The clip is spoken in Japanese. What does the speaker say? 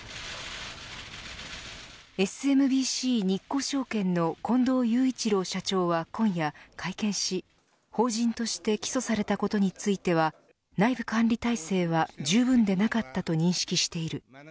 ＳＭＢＣ日興証券の近藤雄一郎社長は今夜会見し法人として起訴されたことについては内部管理体制はじゅうぶんでなかったと認識している。